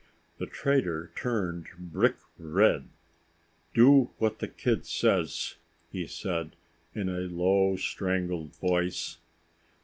The trader turned brick red. "Do what the kid says," he said in a low, strangled voice.